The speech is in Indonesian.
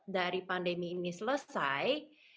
dari pandemi ini selesai